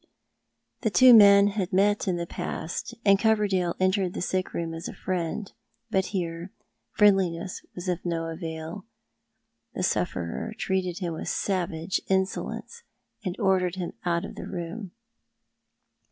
The two men had met in the past, and Coverdalc entered the sick room as a friend ; but hero friendliness was of no avail. The sufferer treated him with savage insolence, and ordered him out of the room.